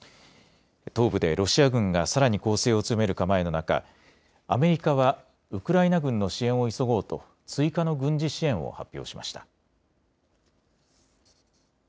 東部でロシア軍がさらに攻勢を強める構えの中、アメリカはウクライナ軍の支援を急ごうと追加の軍事支援を発表しました。